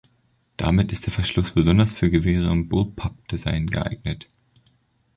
Damit ist der Verschluss besonders für Gewehre im Bullpup-Design geeignet.